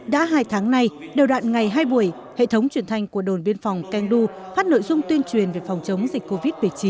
đã hai tháng nay đầu đoạn ngày hai buổi hệ thống truyền thanh của đồn biên phòng keng du phát nội dung tuyên truyền về phòng chống dịch covid một mươi chín